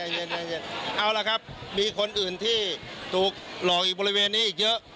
เอาละครับมีคนอื่นที่ถูกหลอกอีกบริเวณนี้อีกเยอะ